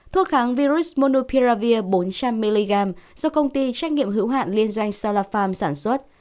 thuốc kháng virus monopiravir bốn trăm linh mg do công ty trách nghiệm hữu hạn liên doanh salafarm sản xuất